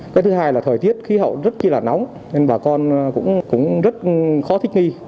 cái thứ hai là thời tiết khí hậu rất là nóng nên bà con cũng rất khó thích nghi